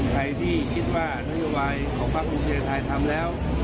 ใครที่คิดว่านโยบายของภาคภูมิใจไทยทำแล้ว